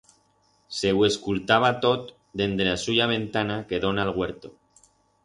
Se hu escultaba tot dende la suya ventana que dona a'l huerto.